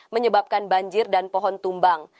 menyebabkan banjir dan pohon tumbang